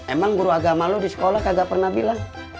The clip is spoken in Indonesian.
emang guru agama lo di sekolah kagak pernah bilang